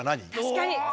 確かに。